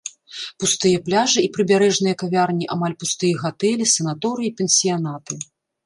Пустыя пляжы і прыбярэжныя кавярні, амаль пустыя гатэлі, санаторыі і пансіянаты.